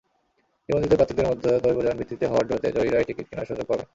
নিবন্ধিত প্রার্থীদের মধ্যে দৈবচয়ন ভিত্তিতে হওয়া ড্রতে জয়ীরাই টিকিট কেনার সুযোগ পাবেন।